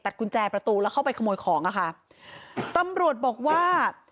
กุญแจประตูแล้วเข้าไปขโมยของอ่ะค่ะตำรวจบอกว่า